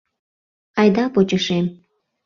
— Айда почешем!..